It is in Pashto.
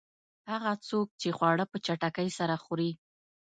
هغه څوک چې خواړه په چټکۍ سره خوري.